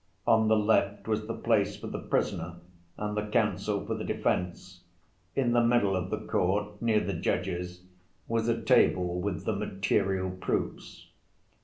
On the left was the place for the prisoner and the counsel for the defense. In the middle of the court, near the judges, was a table with the "material proofs."